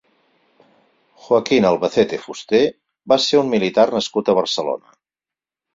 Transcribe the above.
Joaquín Albacete Fuster va ser un militar nascut a Barcelona.